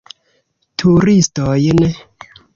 Turistojn.